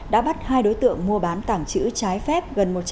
đã bắt hai đối tượng mua bán tảng chữ trái phép